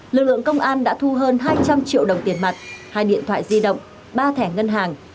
lực lượng công an đã thu hơn hai trăm linh triệu đồng tiền mặt hai điện thoại di động ba thẻ ngân hàng